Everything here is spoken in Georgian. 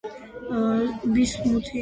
ბისმუთი შედარებით უსაფრთხოა გარემოსათვის.